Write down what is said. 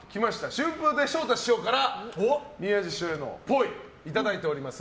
春風亭昇太師匠から宮治師匠へのっぽいいただいております。